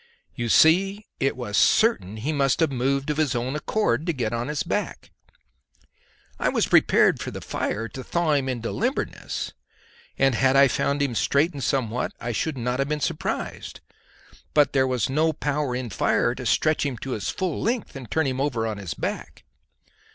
You see, it was certain he must have moved of his own accord to get upon his back. I was prepared for the fire to thaw him into limberness, and had I found him straightened somewhat I should not have been surprised. But there was no power in fire to stretch him to his full length and turn him over on his back.